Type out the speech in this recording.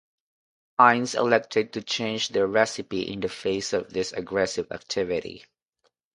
Heinz elected to change their recipe in the face of this aggressive activity.